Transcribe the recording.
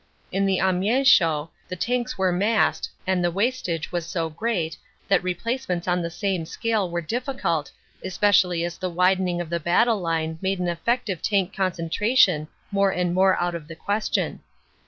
In the Amiens show the tanks were massed and the wast age was so great that replacements on the same scale were difficult, especially as the widening of the battle line made an effective tank concentration more and more out of the question.